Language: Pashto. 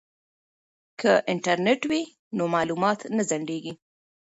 که انټرنیټ وي نو معلومات نه ځنډیږي.